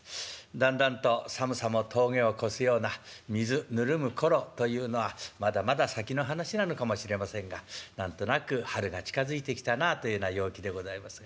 だんだんと寒さも峠を越すような水ぬるむ頃というのはまだまだ先の話なのかもしれませんが何となく春が近づいてきたなというような陽気でございますが。